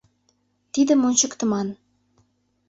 Тидым ончыктыман.